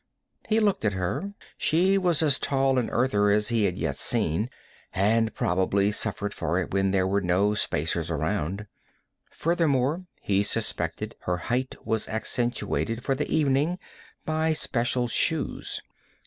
He looked at her. She was as tall an Earther as he had yet seen, and probably suffered for it when there were no Spacers around. Furthermore, he suspected, her height was accentuated for the evening by special shoes.